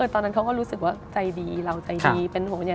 ตอนนั้นเขาก็รู้สึกว่าใจดีเราใจดีเป็นห่วงใหญ่